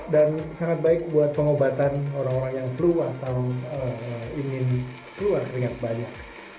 dan sangat baik buat pengobatan orang orang yang flu atau ingin keluar keringat banyak